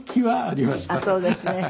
あっそうですね。